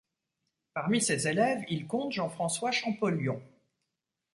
Parmi ses élèves, il compte Jean-François Champollion.